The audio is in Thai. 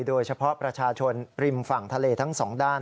โดยเฉพาะประชาชนริมฝั่งทะเลทั้งสองด้าน